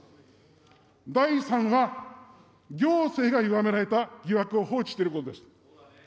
第３は、行政がゆがめられた疑惑を放置していることです。